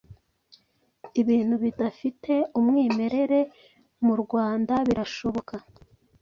Ibintu bidafite umwimerere mu Rwanda birashoboka